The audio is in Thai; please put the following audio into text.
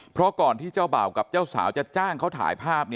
เพราะก่อนที่เจ้าบ่าวกับเจ้าสาวจะจ้างเขาถ่ายภาพ